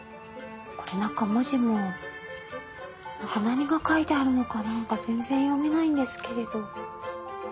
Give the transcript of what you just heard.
これ中文字も何が書いてあるのかなんか全然読めないんですけれど。